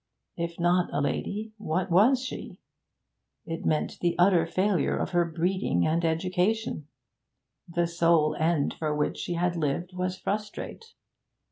If not a lady, what was she? It meant the utter failure of her breeding and education. The sole end for which she had lived was frustrate.